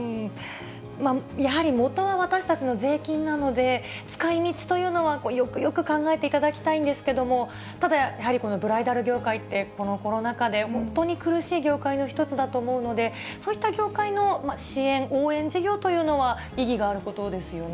やはりもとは私たちの税金なので、使いみちというのは、よくよく考えていただきたいんですけれども、ただやはりブライダル業界って、コロナ禍で本当に苦しい業界の一つだと思うので、そういった業界の支援、応援事業というのは意義があることですよ